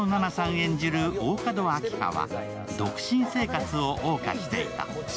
演じる大加戸明葉は独身生活をおう歌していた。